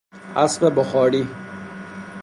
اسب بخاری